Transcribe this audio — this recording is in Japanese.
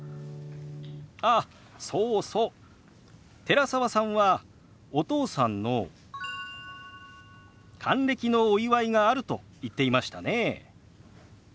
寺澤さんはお父さんの還暦のお祝いがあると言っていましたね。